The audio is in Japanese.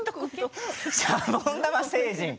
シャボン玉星人。